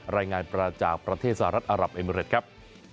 รายงานประจากประเทศสหรัฐอารับเอมิเรตครับ